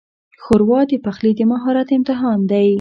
ښوروا د پخلي د مهارت امتحان ده.